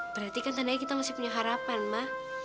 berarti kan tandanya kita masih punya harapan ma